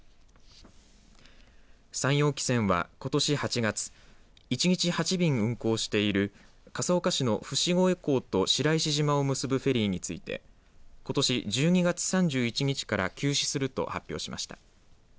三洋汽船はことし８月一日８便運航している笠岡市の伏越港と白石島を結ぶフェリーについてことし１２月３１日から休止すると発表しました。